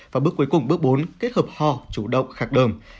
và bước cuối cùng bước bốn kết hợp ho chủ động khạc đơm